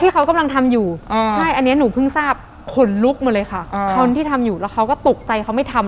เขาก็มีได้ยินเสียงใช่ไหม